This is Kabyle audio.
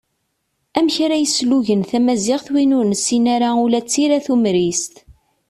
Amek ara yeslugen tamaziɣt win ur nessin ara ula d tira tumrist.